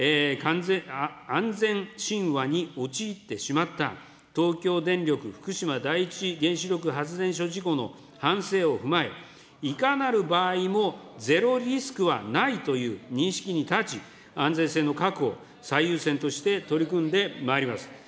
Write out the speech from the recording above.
安全神話に陥ってしまった東京電力福島第一原子力発電所事故の反省を踏まえ、いかなる場合もゼロリスクはないという認識に立ち、安全性の確保を最優先として取り組んでまいります。